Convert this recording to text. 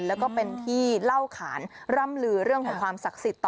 แล้วก็เป็นที่เล่าขานร่ำลือเรื่องของความศักดิ์สิทธิ์ต่อ